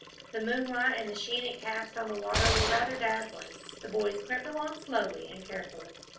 The moonlight and the sheen it cast on the water were rather dazzling. The boys crept along slowly and carefully.